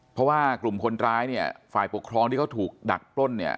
เพราะว่ากลุ่มคนร้ายเนี่ยฝ่ายปกครองที่เขาถูกดักปล้นเนี่ย